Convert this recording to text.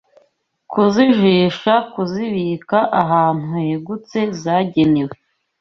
Kuzijisha Kuzibika ahantu hegutse zagenewe